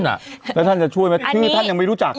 แล้วท่านจะช่วยไหมชื่อท่านยังไม่รู้จัก